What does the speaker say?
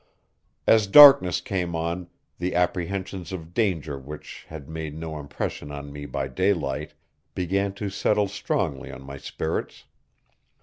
As darkness came on, the apprehensions of danger which had made no impression on me by daylight, began to settle strongly on my spirits.